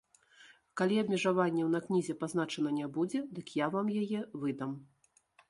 Калі абмежаванняў на кнізе пазначана не будзе, дык я вам яе выдам.